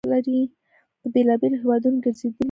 په بېلابېلو هیوادونو ګرځېدلی وي.